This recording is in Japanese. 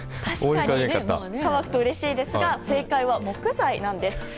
確かに乾くとうれしいですが正解は木材なんです。